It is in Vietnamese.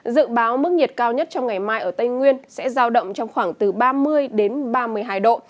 dự báo mức nhiệt cao nhất trong ngày mai ở tây nguyên sẽ giao động trong khoảng từ ba mươi đến ba mươi hai độ